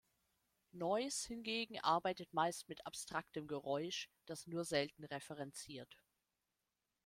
Noise hingegen arbeitet meist mit abstraktem Geräusch, das nur selten referenziert.